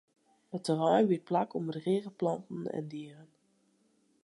It terrein biedt plak oan bedrige planten en dieren.